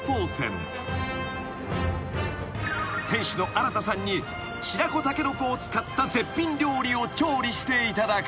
［店主の荒田さんに白子タケノコを使った絶品料理を調理していただく］